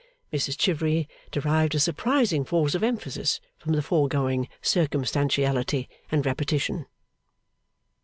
Mrs Chivery derived a surprising force of emphasis from the foregoing circumstantiality and repetition.